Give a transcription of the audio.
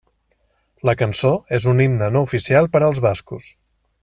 La cançó és un himne no oficial per als bascos.